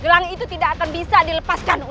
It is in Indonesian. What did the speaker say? gelaing itu tidak akan bisa dilepaskan untukmu